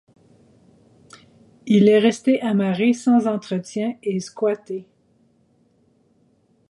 Il est resté amarré sans entretien et squatté.